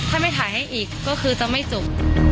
ถ้าไม่ถ่ายให้อีกก็คือจะไม่จบ